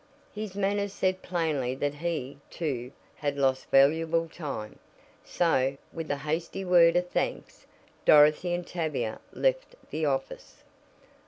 His manner said plainly that he, too, had lost valuable time, so, with a hasty word of thanks, Dorothy and Tavia left the office.